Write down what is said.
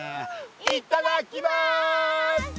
いっただきます！